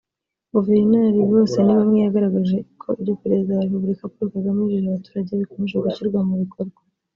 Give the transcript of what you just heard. Guverineri Bosenibamwe yagaragaje ko ibyo Perezida wa Repubulika Paul Kagame yijeje abaturage bikomeje gushyirwa mu bikorwa